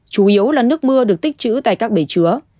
chủ yếu là nước mưa được tích chữ tại các bể chứa